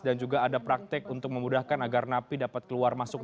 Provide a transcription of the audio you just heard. dan juga ada praktek untuk memudahkan agar napi dapat keluar masuk